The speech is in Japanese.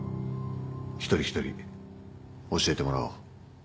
一人一人教えてもらおう。